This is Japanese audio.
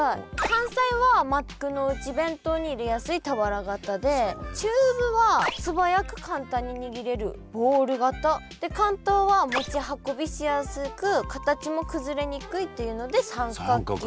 関西は幕の内弁当に入れやすい俵型で中部は素早く簡単ににぎれるボール型で関東は持ち運びしやすく形も崩れにくいっていうので三角形。